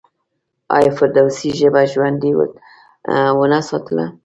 آیا فردوسي ژبه ژوندۍ ونه ساتله؟